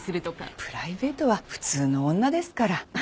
プライベートは普通の女ですから。